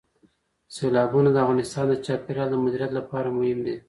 سیلابونه د افغانستان د چاپیریال د مدیریت لپاره مهم دي.